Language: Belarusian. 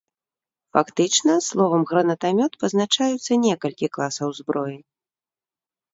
Фактычна словам гранатамёт пазначаюцца некалькі класаў зброі.